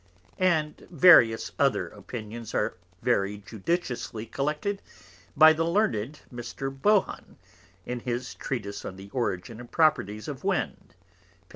And various other Opinions are very judiciously collected by the Learned Mr. Bohun in his Treatise of the Origin and Properties of Wind, P.